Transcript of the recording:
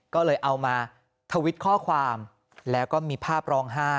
ก็เลยเอามาทวิตข้อความแล้วก็มีภาพร้องไห้